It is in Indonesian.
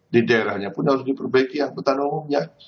di daerahnya pun harus diperbaiki angkutan umumnya